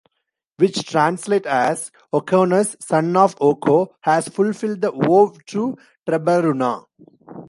Which translate as: Oconus, son of Oco, has fulfilled the vow to Trebaruna.